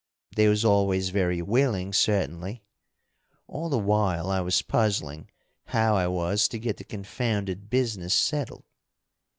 They was always very willing, certainly. All the while I was puzzling how I was to get the confounded business settled.